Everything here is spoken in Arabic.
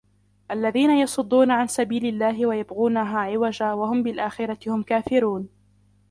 الَّذِينَ يَصُدُّونَ عَنْ سَبِيلِ اللَّهِ وَيَبْغُونَهَا عِوَجًا وَهُمْ بِالْآخِرَةِ هُمْ كَافِرُونَ